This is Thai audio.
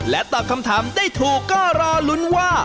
ตอบคำถามได้ถูกก็รอลุ้นว่า